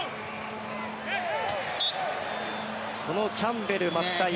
このキャンベル、松木さん